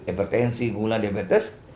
epertensi kegunaan diabetes